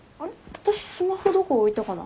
私スマホどこ置いたかな。